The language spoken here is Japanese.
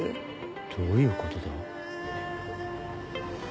どういうことだ？